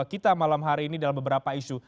kita malam hari ini dalam beberapa isu